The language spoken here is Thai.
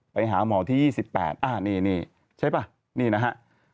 ไปหาหมอวันที่๒๘ใช่ปะนี่นะฮะ